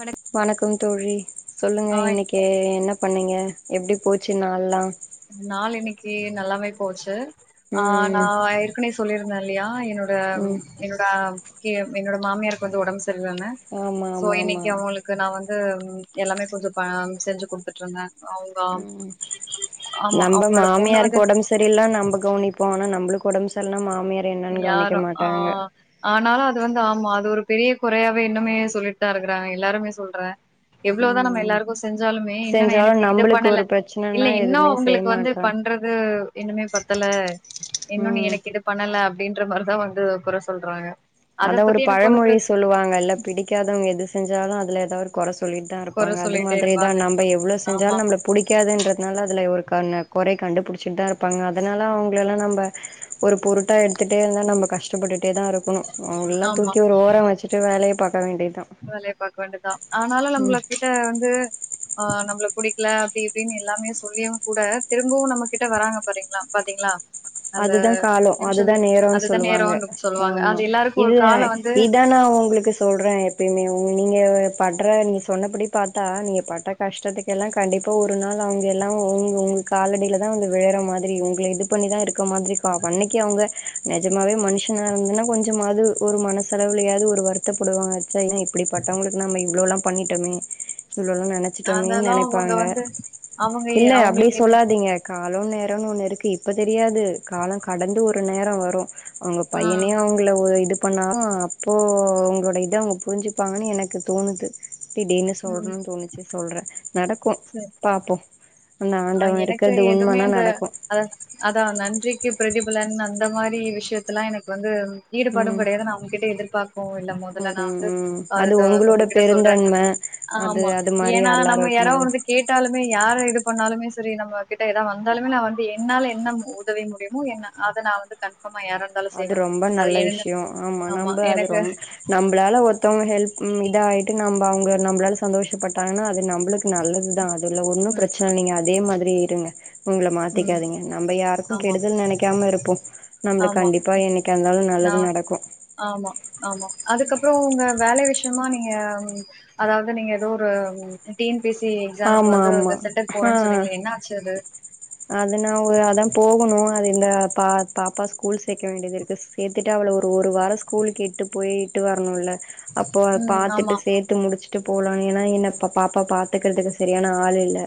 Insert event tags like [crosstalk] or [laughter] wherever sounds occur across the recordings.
வணக் வணக்கம் தோழி சொல்லுங்க ஆய் இன்னைக்கி ஏ என்ன பண்ணீங்க எப்டி போச்சு நாள்லா நாள் இன்னிக்கி நல்லாவே போச்சி ஆ ம் நா ஏற்கனவே சொல்லியிருந்த இல்லையா என்னோட ம் என்னோட என்னோட மாமியாருக்கு வந்து ஒடம்பு செரியில்ல செரி தான ஆமா சோ ஆமா ஆமா இன்னைக்கி அவுங்களுக் க்கு நா வந்து எல்லாமே கொஞ்சோ பா செஞ்சி குடுத்துட்டு இருந்தே அவுங்கா ம் நம்ப மாமியாருக்கு ஒடம் சரியில்லா நம்ப கவுனிப்போ ஆனா நம்பளுக்கு ஒடம்பு ச இல்லனா மாமியார் என்னனு கவனிக்க யாரு ஆ மாட்டாங்க ஆனாலு அது வந்து ஆமா அது ஒரு பெரிய கொறையாவே இன்னுமே சொல்லிட்டு தா இருக்கறாங்க எல்லாருமே சொல்றே எவ்ளோவுதா நம்ம ம் எல்லாருக்கு செஞ்சாலுமே என்னனா எனக்கு செஞ்சாலு இத நம்பளுக்கு பண்ணல ஒரு இல்ல பிரச்சனன்னா இன்னு எதுவுமே செய்ய அவுங்களுக்கு வந்து மாட்றா பண்றது இன்னுமே பத்தல இன்னு ம் எனக்கு இது பண்ணல அப்டின்ற மாரிதா வந்து கொற சொல்றாங்க அத அதா ஒரு பத்தி எனக்கு ஒன்னு பழமொழி பிரச்சன சொல்லுவாங்கல்ல பிடிக்காதவங்க எது செஞ்சாலு அதுல ஏதா ஒரு கொற சொல்லி த்தா கொற இருப்பாங்க அது சொல்லிட்டே மாதிரிதா இருப்பாங்க நம்ப எவ்ளோ ஆமா செஞ்சாலு நம்ள புடிக்காதுன்றதுனால அதுல ஒரு கண்ணு கொறய கண்டுபுடுச்சுட்தா இருப்பாங்க அதனால அவுங்லெல்லா நம் ம்ப ஒரு பொருட்டா எடுத்துட்டே இருந்தா நம்ம கஷ்டப்பட்டுட்டேதா இருக்கணு அவங்கள எல்லா ஆமா தூக்கி ஒரு ஓரோ வெச்சு சிட்டு வேலய பாக்க வேண்டிதா வேலய பாக்க வேண்டிதா ஆனாலு நம்ள கிட்ட வந்து ஆ நம்ள புடிக்ல அப்டி இப்டினு எல்லாமே சொல்லியு கூட திரும்பவு நம்ம கிட்ட வராங்க பாரீங்ளா பாத்தீங்களா அந்த அதுதா காலோ அதுதா நிமிஷத்துல நேரோனு அதுதா சொல்லுவாங்க நேரோன்னு சொல்லுவாங்க ஆமா அது எல்லாருக்கு ஒரு இது கால வந்து இத்தான உங்ளுக்கு சொல்ற எப்பயுமே உ நீங்க பட்ற நீ சொன்னபடி பாத்தா நீங்க பட்ட கஷ்டத்துக்கு எல்லா கண்டிப்பா ஒரு நாள் அவங்க எல்லா உங் உங்க காலடியலதா வந்து விழற மாதிரி உங்கள இது பண்ணிதா இருக் க்க மாதிரிக்கா அன்னிக்கு அவுங்க நெஜமாவே மனுஷனா இருந்தனா கொஞ்சமாது ஒரு மனசலவுலாயாது ஒரு வருத் த்தப் படுவாங்க ச்ச என்ன இப்டிப்பட்டவங்ளுக்கு நம்ம இவ்ளோல்லா பண்ணிட்டமே இவ்ளோலா நெனச் சிட்டமேனு அதெல்லா அவங்க நெனைப்பாங்க வந்து அவங்க இல்ல அப்டி அவங்களுக்கு இது சொல்லாதீங்க காலோ நேரோனு ஒன்னு இருக்கு இப்ப தெரியாது காலோ கடந்து ஒரு நேரோ வரு அவுங்க ஆ பையனே அவுங் குள்ள ஓ இது பண்ணா அப்போ உங்ளோட இத அவங்க புரிஞ்சுப்பாங்கனு எனக்கு தோணுது திடீர்னு சொல்னுனு தோணுச்சு சொல்ற நடக்கு சர் பாப்போ அந்த ஆண்டவ இருக்கறது எதுமே உண்மனா அந்த நடக்கு அத அதா நன்றிக்கு பிரதிபலன் அந்த மாரி விஷ்யத்துல எனக்கு வந்து ஈடுபாடு ம் கெடயாது நா உங்ககிட்ட எதிர்பாக்கவு இல்ல முதல நா வந்து ம் அது அதுத உங்களோட உங்ககிட்ட சொல்ற பெருந்தன்ம அது ஆமா அது மாரி ஏன்னா எல்லாரு நம்ம இருக்க யாராவ முடியு வந்து கேட்டாலுமே யார இது போணாலுமே செரி நம்ம கிட்ட ஏதா வந்தாலுமே நா வந்து என்னால என்ன உதவி முடியுமோ என்ன அத நா வந்து க அது ரொம்ப நல்ல விஷ்யோ ஆமா நம்ப அது ரொம்ப நம்பளால ஒருத்தவங்க ஹெல்ப் ம் இத ஆய்ட்டு நம்ப அவங்க நம்பளால சந்தோஷப்பட்டாங்கனா அது நம்புளுக்கு நல்லதுதா அது இதுல ஒன்னு ம் பிரச்சன நீங்க அதே மாதிரி இருங்க உங்ள ம் மாத்திக்காதீங்க நம்ப யாருக்கு ஆமா கெடுதல் நெனைக்க க்காம இருப்போ நம்ளுக்கு ஆமா கண்டிப்பா என்னைக்காருந்தாலு நா நல்லது நடக்கு ஆமா ஆமா அதுக்கப்றோ உங்க வேல விஷ்யமா நீங்க அதாவது நீங்க ஏதோ ஒரு T N P S C எக்ஸாம்க்கு ஆமா வந்து எதோ சென்டர் போறன்னு சொன்னீங்களே என்ன ஆச்சு அது அது‌ நா ஒரு அதா போகணு அது இந்த பா பாப்பா ஸ்கூல் சேக்க வேண்டிதுருக்கு சேத்துட்டு அவள ஒரு ஒரு வாரோ ஸ்கூலுக்கு எட்டு போயிட்டு வரணுல அப்போ அத ம். ஆமா. பாத்துட்டு சேத்து முடிச்சுட்டு போலா ஏனா என்ன பாப்பா பா த்தெக்கறதுக்கு செரியான ஆளு இல்ல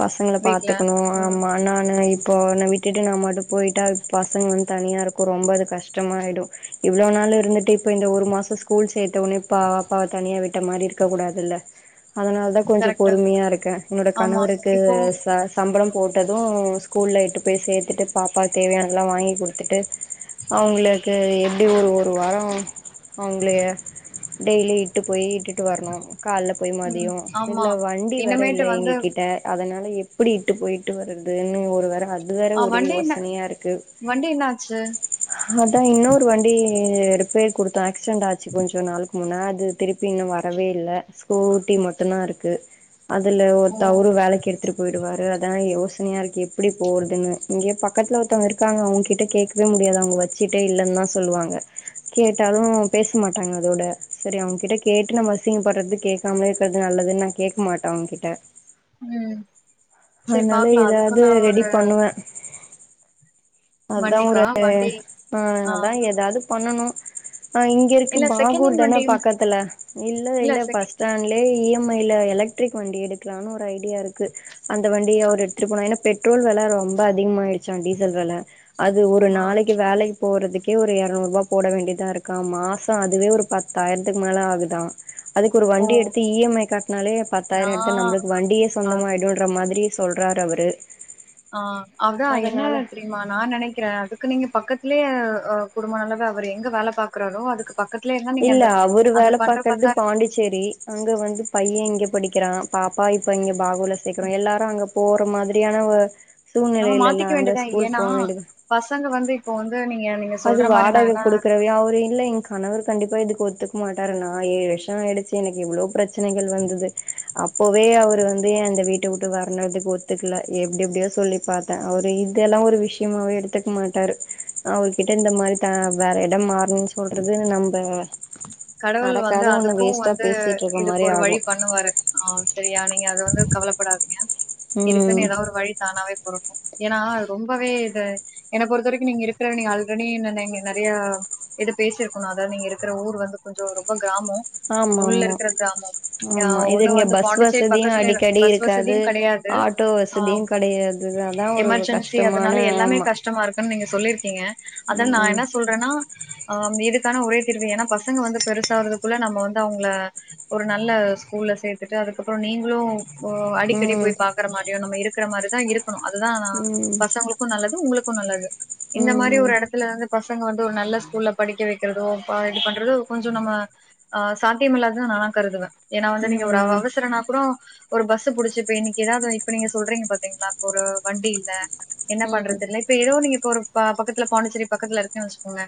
பசங்கள வீட்ல. பாத்துக்குணு ம். ஆமா இன்னோனு இப்போ உன்ன விட்டுட்டு நா மட்டு போயிட்டா பசங்க வந்து தனியா இருக்கு ரொம்ப அது கஷ்டமாய்டு இவ்ளோ நாள் இருந்துட்டு இப்ப இந்த ஒரு மாசோ ஸ்கூல் சேத்த ஒடனே பாபா தனியா விட்ட மாரி இருக்கக்கூடாதுல்ல [inaudible] அதனாலதா கொஞ்சோ கரெக்ட்டு. பொறுமயா இருக்க என்னோட ஆமா. கணவருக்கு இப்போ ச சம்பளோ போட்டது ஸ்கூல்ல எட்டு போய் சேத்துட்டு பாப்பா தேவயானதெல்லா வாங்கி குடுத்துட்டு அவுங்களுக்கு எப்டி ஒரு ஒரு வாரோ அவங்களய டெய்லி இட்டு போயி இட்டுட்டு வரணு கால்ல போயி ம். மதியோ ஆமா. இதுல வண்டி வேற இனிமேட்டு இல்ல வந்து எங்ககிட்ட அதனால எப்டி இட்டு போய்ட்டு வர்றதுன்னு ஒரு வேர அ அதுவேற ஆ ஒரே வண்டி என்ன யோசனயா இருக்கு வண்டி என்ன ஆச்சு? அதா இன்னொரு வண்டி ரிப்பேர் குடுத்த ஆக்ஸ்சடெண்ட் ஆச்சு கொஞ்சோ நாள் முன்னா அது திருப்பி இன்னு வரவே இல்ல ஸ்கூட்டி மட்டுந்தா இருக்கு அதுல ஓ! ஒருத்தவுறு வேலக்கு எடுத்துரு போயிடுவாரு அதா யோசனையா இருக்கு எப்டி போறதுன்னு இங்கயே பக்கத்துல ஒருத்தவங்க இருக்காங்க அவங்ககிட்ட கேக் வே முடியாது அவங்க வச்சுட்டே இல்லன்னு தா சொல்லுவாங்க கேட்டாலு பேசமாட்டாங்க அதோட செரி அவங்க கிட்ட கேட்டு நம்ம அசிங்கப்படுறது கேட்காமலே இருக்கிறது நல்லதுன்னா கேட்க மாட்ட அவங்க கிட்ட ம். சரி அதனால பாக்கலாம். எதாவது அதுக்குன்னு ஒரு ரெடி பண்ணுவ அதா ஒரு வண்டிக்கா? வண்டி ஆ அதா எதாது பண்ணணு இங் இங்க இருக்கு இல்ல செகண்ட் பாகூர் ஹேண்ட் தான வண்டி பக்கத்துல இல்ல இல்ல பஸ் ஸ்டாண்ட்ல இ எம் ஐ ல எலக்ட்ரிக் வண்டி எடுக்கலாம்னு ஒரு ஐடியா இருக்கு அந்த வண்டிய அவர் எடுத்துட்டு போனா என்னா பெட்ரோல் வில ரொம்ப அதிகமாயிடுச்சா டீசல் வில அது ஒரு ஆ. நாளைக்கு வேலைக் போறதுக்கே ஒரு இரநூரூபா போட வேண்டியதாருக்காமா மாச அதுவே ஒரு பத்தாயிரத்துக்கு மேல ஆகுதா அதுக்கு ஒரு ஓ! வண்டி எடுத்து இ எம் ஐ கட்டுனாலே பத்தாயிரம் எடுத்து நான் நம்மளுக்கு வண்டியே ஆ சொந்தமா ஆயி [unintelligible] மாதிரி சொல்றாரு அவரு ஆ அதா என்ன அதனால இப்டி மா நா நினைக்கிறே அதுக்கு நீங்க பக்கத்திலயே குடும்ப நல்லதா அவர் எங்க வேல பாக்குறாரோ அதுக்கு பக் இல்ல அவரு வேல பாக்குறது பாண்டி செரி அங்க வந்து பையன் இங்க படிக்கிறா பாப்பா இப்ப இங்க பாகுல சேக்குறோ எல்லாரு அங்க போற மாதிரியான ஓ நம்ம சூழ்நிலை இல்லல மாத்திக்க அங்க வேண்டியதா ஸ்கூல் ஏன்னா போ வேண்டியது பசங்க வந்து இப்போ வந்து நீங்க அது சொல்ற மாரி நா வாடக என்ன குடுக்குறவ அவரு இல்ல இங் கணவர் கண்டிப்பா இதுக்கு ஒத்துக்க மாட்டருனா நா ஏழு வருஷம் ஆயிடுச்சு எனக்கு இவ்ளோ பிரச்சனைகள் வந்தது அப்பவே அவரு வந்து எந்த வீட்ட விட்டு வரனதுக்கு ஒத்துக்கல எப்டி எப்டியோ சொல்லி பாத் அவரு இதெல்லா ஒரு விஷயமாவே எடுத்துக்க மாட்டாரு அவரு கிட்ட இந்த மாரி த வேற இடம் மாறணும்ன்னு சொல்றது நம்ப கடவுள் வந்து நடக்காத ஒண்ணு அதுக்கு வேஸ்ட்டா வந்து பேசிட்டு இருக்க இதுக்கு மாரி ஒரு ஆகு வழி பண்ணுவாரு ஆ சரியா நீங்க அத வந்து கவலைப்படாதீங்க ம் இருக்குன்னு ஏதாவது ஒரு வழி தானாவே பொறக்கு ஏனா அது ரொம்பவே இது என்ன பொறுத்த வரைக்கு நீங்க இருக்கிற நீங்க அல்ரெடி ந நீங்க நெறையா இது பேசிருக்கணு அதாவது நீங்க இருக்கிற ஊர் வந்து கொஞ்சோ ரொம்ப கிராமோ ஆமா உள்ள ஆமா இருக்கிற கிராமம் ஆ ஆமா இது ஒண்ணு இங்க வந்து பஸ் பாண்டிச்சேரி வசதியு பக்கத்துல அடிக்கடி பஸ் இருக்காது வசதியு கிடையா து ஆட்டோ ஆ வசதியு கெடையாது அதா ஒரு எமர்ஜென்சி கஷ்டமான அதனால எல்லாமே ஆமா கஷ்டமா இருக்குன்னு நீங்க சொல்லிருக்கீங்க அதா நா ம் என்ன சொல்றன்னா அ இதுக்கான ஒரே திருப்பி ஏன்னா பசங்க வந்து பெருசாறதுக்குள்ள நம்ம வந்து அவங்கள ஒரு நல்லா ஸ்கூல சேர்த்துடு அதுக்கப்றோ நீங்களு ஓ அடிக்கடி ம் போய் பாக்குற மாரியு நம்ம இருக்கிற மாரிதா இருக்கணு அதுதா ம் பசங்களுக்கு நல்லது உங்களுக்கு நல்லது இந்த மாரி ம் ஒரு இடத்துல இருந்து பசங்க வந்து ஒரு நல்ல ஸ்கூல்ல படிக்க வைக்கிறதோ இப்ப இது பண்றது கொஞ்ச நம்ம ஆ சாத்தியமில்லாததுனு நானா கருதுவே ஏன்னா வந்து நீங்க ஒரு ம் அவசரனா கூடோ ஒரு பஸ் புடிச்சு இப்ப இன்னைக்கு ஏதாவது இப்ப நீங்க சொல்றீங்க பாத்தீங்களா இப்ப ஒரு வண்டி இல்ல என்ன ம் பண்றது தெரில இப்ப ஏதோ நீங்க இப்ப ஒரு பக்கத்துல பாண்டிச்சேரி பக்கத்துல இருக்கன்னு வச்சுக்கோங்கலே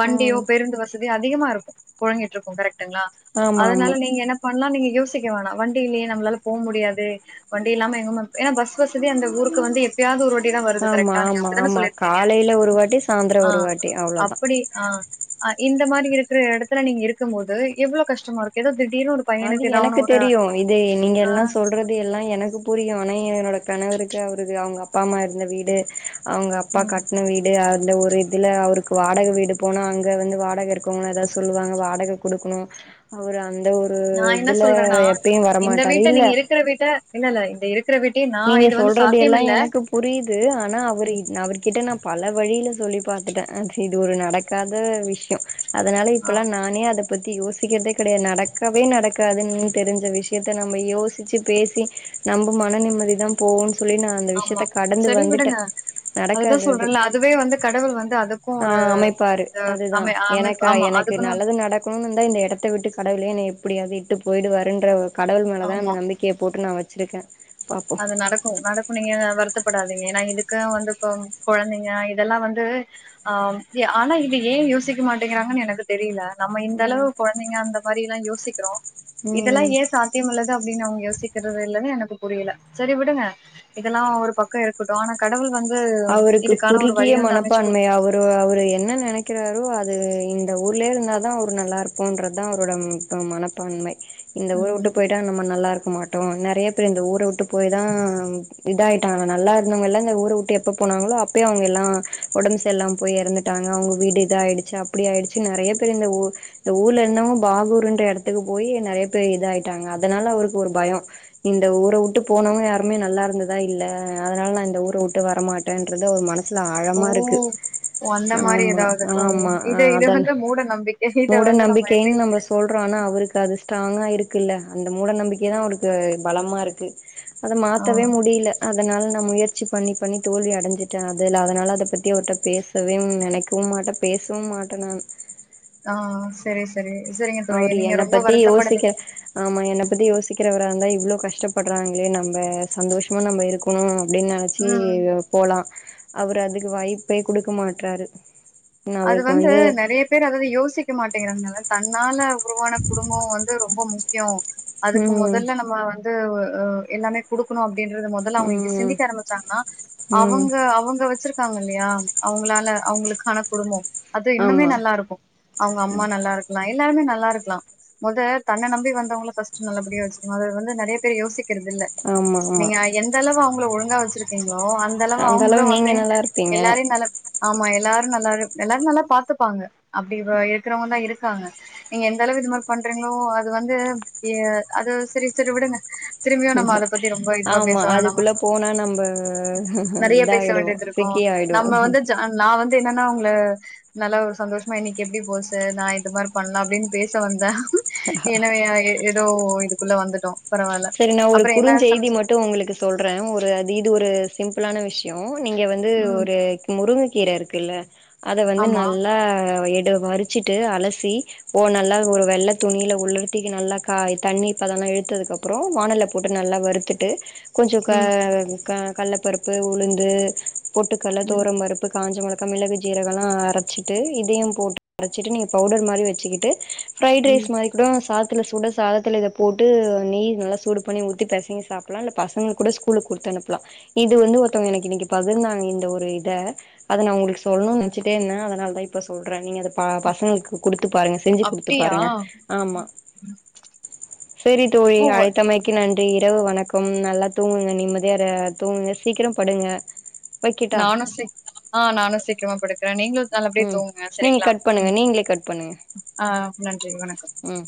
வண்டியோ ம் பேருந்து வச இதுவே அதிகமாருக்கு பொழங்கிட்டு இருக்கு கரெக்டுங்களா ஆமா அதனால ஆமா நீங்க என்ன பன்லா நீங்க யோசிக்க வேணா வண்டியிலயே நம்மளால போ முடியாது வண்டி இல்லாம எங்கம ஏன்னா பஸ் வசதி அந்த ஊருக்கு வந்து எப்பயாவ்து ஒரு வாட்டி தா வருது ஆமா கரெக்டா நீங்க ஆமா அப்டித்தானே ஆமா சொல்லிருக்கீங்க காலையில ஒரு வாட்டி சாயந்தரோ ஆ ஒரு வாட்டி அவ்ளோதா அப்டி ஆ அ இந்த மாரி இருக்கிற இடத்துல நீங்க இருக்கு போது எவ்ளோ கஷ்டமா இருக்கு ஏதோ திடீர்னு ஒரு அது பையனுக்கு ஏதாவனு எனக்கு ஒரு தெரியு இது நீங்க ஆ எல்லா சொல்றது எல்லா எனக்கு புரியு ஆனா என்னோட கணவருக்கு அவருக்கு அவங்க அப்பா அம்மா இருந்த வீடு அவங்க அப்பா ம் கட்ன வீடு அந்த ஒரு இதுல அவருக்கு வாடக வீடு போனா அங்க வந்து வாடக இருக்கவங்களு எதாவது சொல்லுவாங்க வாடக குடுக்கணு அவரு அந்த ஒரு நா என்ன இதுல எப்பயு வரமாட்டாரு இல்ல இருக்கற வீட்ட இல்ல இல்ல இந்த இருக்கற வீட்டி நா இது வந்து சாத்தியம் இல்ல புரிது ஆனா அவரு ம், அவர்கிட்ட நா பல வழியில சொல்லி பாத்துட்டே அ செரி ஒரு நடக் காத விஷ்யோ அதனால ஆ இப்பல்லா நானே அத பத்தி யோசிக்கறதே கிடையாது நடக்கவே நடக்காதுன்னு தெரிஞ்ச விஷயத்த நம்ம யோசிச்சு பேசி நம்ப மன நிம்மதி தா போவு சொல்லி நா அந்த ஆமா விஷயத்த கடந்து சரி வந்துட்டே விடுங்க அதுதா நடக்காது அது சொல்றேன்ல அதுவே வந்து கடவுள் வந்து அதுக்கு ஆ ஒரு அமைப்பாரு அதுதா அமை அமைப்பு எனக்கா ஆமா எனக்கு அதுக்குன்னு நல்லது இந்த எடத்த விட்டு கடவுளே என்ன எப்படியாவது இட்டு போயிடு வாருண்ற கடவு மேல தா அந்த ஆமா நம்பிக் கிய போட்டு நா வச்சிருக்கே பாப்போ அது நடக்கு நடக் நீங்க வருத்தப்படாதீங்க ஏன்னா இதுக்கு வந்து இப்ப கொழந்தைங்க இதெல்லா வந்து ஆம் ஜி ஆனா இது ஏ யோசிக்க மாட்டேங்கிறாங்கன்னு எனக்கு தெரில நம்ம இந்த ம் அளவு கொழந்தைங்க அந்த மாரில்லா யோசிக்கிறோ இதெல்லா ம் ஏ சா கேமுல்லதா அப்டின் அவங்க யோசிக்கிறது இல்லனு எனக்கு புரில சரி விடுங்க இதெல்லா ஒரு பக்கோ இருக்குட்டு ஆனா கடவுள் வந் அவருக்கு குறுகிய மனப்பான்மை குடுத் அவ அவர் என்ன நனைக்கிறாரோ அது இந்த ஊர்ல இருந்தா தா அவரு நல்லா இருக்குன்றதா அவரோட மனப் பான்மை இந்த ம் ஊர உட்டு ம் போயிட்டா நம்ம நல்லா இருக்க மாட்டோ நெறைய பேர் இந்த ஊர உட்டு போய் தா இதாயிட்டாங்க நல்லா இருந்தவங்கல்ல இந்த ஊரு உட்டு எப்போ போனாங்களோ அப்பயே அவங்க எல்லா ஓடம் சரில்லாம போய் எறந்துட்டாங்க அவுங்க வீடு இத ஆயிடுச்சு அப்டி ஆயிடுச்சு நெறைய பேர் இந்த ஊ இந்த ஊர்ல இருந்தவுங்க பாகூர்ன்ற எடத்துக்கு போய் நெறைய பேர் இது ஆயிட்டாங்க அதனால அவருக்கு ஒரு பயோ இந்த ஊர உட்டு போனு யாருமே நல்லா இருந்ததா இல்ல அதனால நா இந்த ஊர வுட்டு வர் வரமாட்டேன்றது அவர் மனசுல ஓ ஆழமா இருக்கு ஓ அந்த மாரி ஆமா ஏதாவது ஓ ஆமா ஆ இது இது அதான் வந்து மூட நம்பிக்கை இத மூட வந்து நம்ம எப்டி நம்பிக்கேய்னு நம்ப சொல்றோ ஆன அவருக்கு அது ஸ்ட்ராங்கா இருக்குல்ல அந்த மூட நம்பிக்கையதா அவருக்கு பலமா இருக்கு அத ஆ மாத்தவே முடில அதனால நா முயற்சி பண்ணி பண்ணி தோல்வி அடைஞ்சுட்டே அதுல அதனால அத பத்தி அவர்ட்ட பேசவே நினைக்கவு மாட்டே பேசவு மாட்டே நானு ஆ சரி சரி சரிங்க தோழி அவரு நீங்க என்ன ரொம்ப பத்தி வருத்தப்படாதி யோசிக்க ஆமா என்ன பத்தி யோசிக்கிறவரா இருந்தா இவ்ளோ கஷ்டப்படுறாங்களே நம்ப சந்தோஷமா நம்ப இருக் ம் எங்கனாச்சு ம் போலா அவரு அதுக்கு வாய்ப்பே குடுக்க மாட்றாரு நா அது அவருக்கு வந்து நெறைய பேர் அதவே யோசிக்க மாட்டேங்குறாங்கல தன்னால உருவான குடும்போ வந்து ரொம்ப முக்கியோ அதுக்கு ம் முதல்ல நம்ம வந்து எல்லாமே குடுக்குணு அப்டின்றது மொதல்ல அவங்க இங்க ம் சிந்திக்க ஆரம்பிச்சாங்கன்னா ம் அவங்க அவங்க வச்சிரு காங்க இல்லையா அவங்களால அவங்களுக்கான குடும்போ அது இன்னுமே ஆமா நல்லா இருக்கு அவங்க அம்மா நல்லா இருக் லைலா இருந்தா நல்லா இருக்லா மொத தன்ன நம்பி வந்தவங்கல ஃபர்ஸ்ட்டு நல்லபடியா வச்சுக்கலா அது வந்து நெறைய பேர் யோசிக் க்கிறதிஇல்ல ஆமா ஆமா நீங்க எந்த அளவு அவுங்கள ஒழுங்கா வெச்சிரு கிங்ளோ அந்த அளவு அவுங்களு நீங்க வந்து நல்லா இருப்பீங்க எல்லாரையு நல்ல ஆமா எல்லாரு நல்லா எல்லாரு நல்லா பாத்துப்பாங்க அப்டி இருக்கிறவங்கதா இருக்காங்க நீங்க எந்த அளவு இது மாரி பண்றீங்ளோ அது வந்து அது சேரி சேரி விடுங்க திரும்பியு நம்ம அத பத்தி ரொம்ப இதுவா பேச ஆமா வேணாமா அதுக்குள்ள போனா நம்ப நெறையா பேச இதாயிடுவோ வேண்டிது இரு கோ சிக்கி ஆயிடுவோ நம்ம வந்து நா வந்து என்னன்னா க்ல நல்லா சந்தோஷமா இன்னிக்கு எப்டி போச்சு நா இது மார் பண்லா அப்டின் பேச வந்த எனவே எதோ இதுக்குள்ள வந்துட்டோ சேரி நா ஒரு குறுஞ்செய்தி ம ட்டு உங்ளுக்கு சொல்றன் ஒரு திது ஒரு சிம்பிளான விஷ்யோ நீங்க வந்து ம் ஒரு முருங்கை கீர இருக்குல்ல அத வந்து ஆமா நல்லா எடு வறிச்சிட்டு அலசி ஓ நல்லா ஒரு வெள்ள துணில உலர்த்திக்கு நல்லா காய் தண்ணிப் பதெல்லா இழுத்ததுக்கு அப் அப்றோ வாணல்ல போட்டு நல்லா வறுத்துட்டு கொஞ்சொ க ம் க கல்லப்பருப்பு உளுந்து பொட்டுக்கல்ல ம் தொவர பருப் ப்பு காஞ்ச மொளகா மிளகு சீரகல்லா அரச்சிட்டு இதையு போட்டு அரச்சிட்டு நீங்க பவுடர் மாரி வச்சிக்கிட்டு ஃப்ரைட் ரைஸ் ம் மாரி கூட சாதத்துல சூட சாதத்தில இத போட்டு நெய் நல்லா சூடு பன்ணி ஊத்தி பெசைங்க சாப்புலா இல்ல பசங்க கூட ஸ்கூலுக் குடுத்து அனுப்பலா இது வந்து ஒருத்தவ்ங்க எனக்கு இன்னிக்கு பகிர்ந்தாங்க இந்த ஒரு இத அத நா உங்களுக்கு சொல்ணுன் நெனச்சுட்டே இருந்தே அதனால தா இப்ப சொல்றே நீங்க அத ப பசங்களுக்கு குடுத்து பாருங்க செஞ்சு குடுத்து அப்டியா பாருங்க ஆமா செரி தோழி ஓ அழைத் தமைக்கு நன்றி இரவு வணக்கம் நல்லா தூங்குங்க நிம்மதியா தூங்குங்க சீக்கிரம் படுங்க வைக்கட்டா நானு சிக் ஆ நானு சீக்கரமா படுக்க நீங்க நல்லபடியா ம் தூங்குங்க நீங்க சரிங்களா கட் பண்ணுங்க ம் நீங்களே கட் பண்ணுங்க ஆ நன்றி வணக்கம் ம்